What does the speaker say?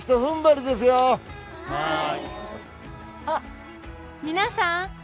あっ皆さん！